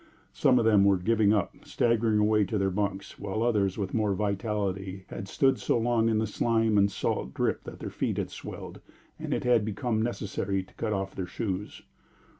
Some of them were giving up, staggering away to their bunks, while others with more vitality had stood so long in the slime and salt drip that their feet had swelled, and it had become necessary to cut off their shoes.